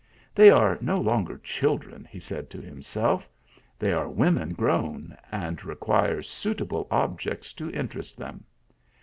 "They are no longer children," said he to himself; "they are women grown, and require suit able objects to interest them."